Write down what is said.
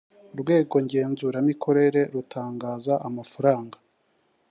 urwego ngenzuramikorere rutangaza amafaranga